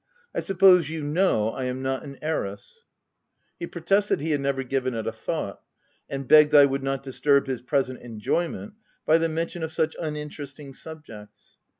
H I sup pose you know I am not an heiress V' He protested he had never given it a thought, and begged I would not disturb his present enjoyment by the mention of such uninteresting subjects.